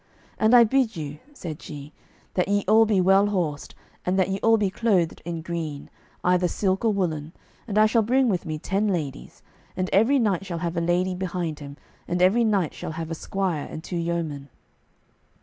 And "I bid you," said she, "that ye all be well horsed, and that ye all be clothed in green, either silk or woollen, and I shall bring with me ten ladies, and every knight shall have a lady behind him, and every knight shall have a squire and two yeomen."